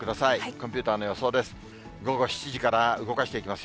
コンピューターの予想です。